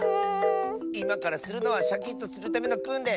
いまからするのはシャキッとするためのくんれん。